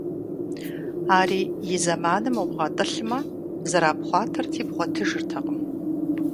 Ари и зэманым умыгъэтӀылъмэ, зэрапхъуэрти бгъуэтыжыртэкъым.